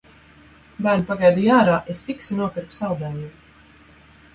Bērni pagaidīja ārā, es fiksi nopirku saldējumu.